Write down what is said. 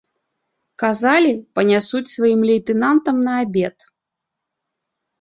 Казалі, панясуць сваім лейтэнантам на абед.